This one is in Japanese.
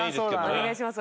お願いします。